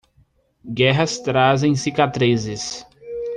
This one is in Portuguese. Guerras trazem cicatrizes.